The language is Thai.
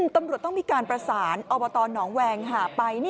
ตำรวจต้องมีการประสานอบตหนองแวงหาไป